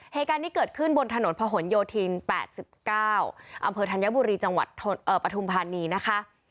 เหตุการณ์นี้เกิดขึ้นบนถนนพะหนโยธิน๘๙อำเภอธัญบุรีจังหวัดปฐุมธานีนะคะ